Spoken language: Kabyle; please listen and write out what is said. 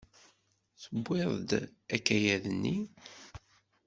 Tewwiḍ-d akayad-nni.